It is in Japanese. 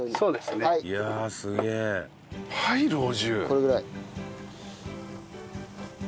これぐらい？